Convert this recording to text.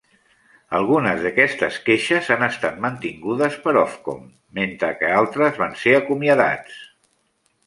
Algunes d'aquestes queixes han estat mantingudes per Ofcom, mentre que altres van ser acomiadats.